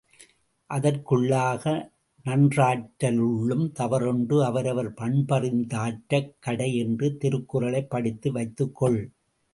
அதற்குள்ளாக, நன்றாற்ற லுள்ளும் தவறுண்டு அவரவர் பண்பறிந் தாற்றாக் கடை என்ற திருக்குறளைப் படித்து வைத்துக் கொள்!